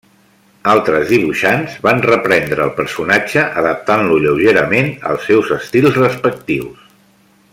Altres dibuixants van reprendre el personatge, adaptant-lo lleugerament als seus estils respectius.